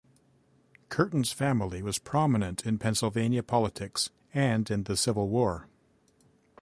Curtin's family was prominent in Pennsylvania politics and in the Civil War.